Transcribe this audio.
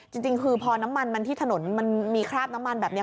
จริงคือพอน้ำมันมันที่ถนนมันมีคราบน้ำมันแบบนี้